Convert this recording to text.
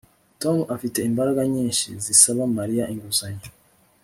Tom afite imbaraga nyinshi zisaba Mariya inguzanyo